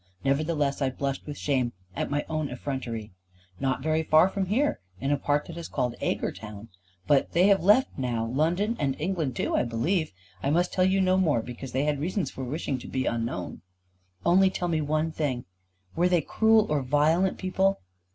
Nevertheless I blushed with shame at my own effrontery. "Not very far from here, in a part that is called 'Agar Town.' But they have now left London, and England too, I believe. I must tell you no more, because they had reasons for wishing to be unknown." "Only tell me one thing. Were they cruel or violent people?"